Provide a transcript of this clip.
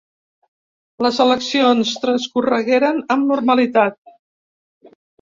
Les eleccions transcorregueren amb normalitat.